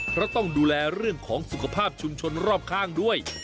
เพราะต้องดูแลเรื่องของสุขภาพชุมชนรอบข้างด้วย